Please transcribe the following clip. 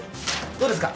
どうですか？